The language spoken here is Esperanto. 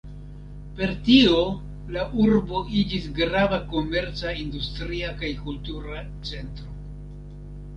Per tio la urbo iĝis grava komerca, industria kaj kultura centro.